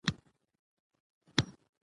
د اختلاف درناوی بلوغ دی